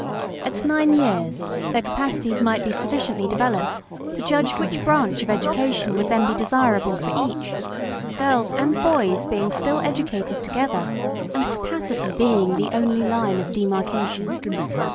At nine years their capacities might be sufficiently developed to judge which branch of education would be then desirable for each ; girls and boys being still educated together, and capacity being the only line of demarcation.